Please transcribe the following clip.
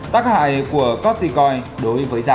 tác hại của coticoin đối với giảm